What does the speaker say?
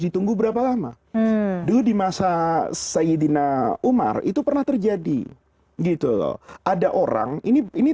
ditunggu berapa lama dulu di masa sayyidina umar itu pernah terjadi gitu loh ada orang ini ini